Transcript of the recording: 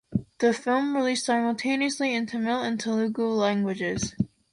The film released simultaneously in Tamil and Telugu languages.